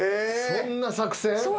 そんな作戦？